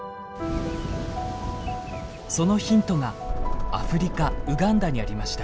そのヒントがアフリカウガンダにありました。